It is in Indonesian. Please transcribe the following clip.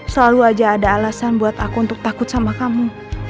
selalu aja ada alasan buat aku untuk takut sama kamu